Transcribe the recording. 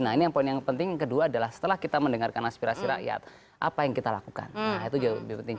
nah ini yang poin yang penting kedua adalah setelah kita mendengarkan aspirasi rakyat apa yang kita lakukan itu jauh lebih penting